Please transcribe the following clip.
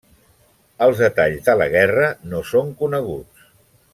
Els detalls de la guerra no són coneguts.